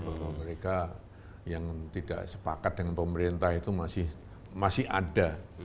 bahwa mereka yang tidak sepakat dengan pemerintah itu masih ada